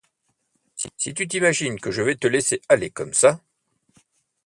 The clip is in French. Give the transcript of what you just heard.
Si tu t’imagines que je vais te laisser aller comme ça!